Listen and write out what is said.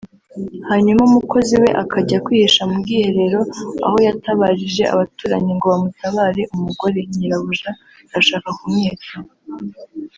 hanyuma umukozi we akajya kwihisha mu bwiherero aho yatabarije abaturanyi ngo bamutabare umugore [Nyirabuja] arashaka kumwica